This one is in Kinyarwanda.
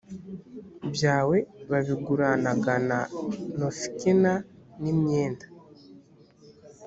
byawe babiguranaga na nofekina n imyenda